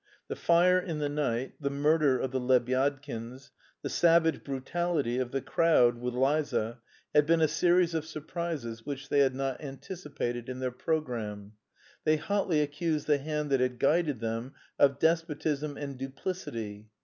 The fire in the night, the murder of the Lebyadkins, the savage brutality of the crowd with Liza, had been a series of surprises which they had not anticipated in their programme. They hotly accused the hand that had guided them of despotism and duplicity.